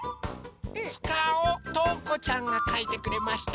ふかおとうこちゃんがかいてくれました。